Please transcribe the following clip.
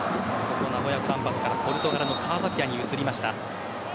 名古屋グランパスからポルトガルのカーザピアに移りました。